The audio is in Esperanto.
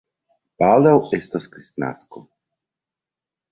Baldaŭ estos kristnasko.